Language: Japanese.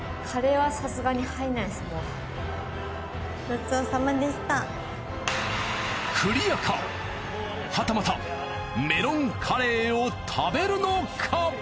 はたまたメロンカレーを食べるのか？